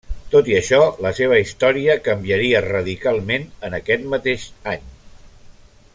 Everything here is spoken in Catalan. Tot i això, la seva història canviaria radicalment en aquest mateix any.